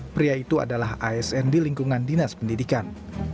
pria itu adalah asn di lingkungan dinas pendidikan